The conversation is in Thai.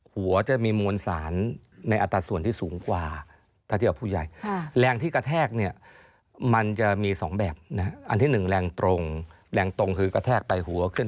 หัวจะมีมวลสารในอัตราส่วนที่สูงกว่าถ้าเทียบผู้ใหญ่